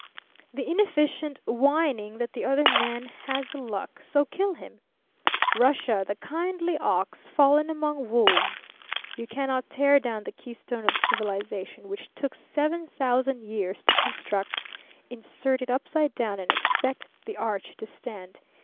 The inefficient, whining that the other man has the luck, so kill him! Russia, the kindly ox, fallen among wolves! You cannot tear down the keystone of civilization which took seven thousand years to construct insert it upside down, and expect the arch to stand.